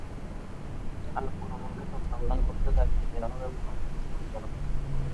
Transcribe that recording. আর পুরো দলকে তত্ত্বাবধান করতে দায়িত্ব দেওয়া হবে বোর্ডের একজন পরিচালককে।